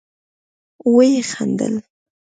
ويې خندل.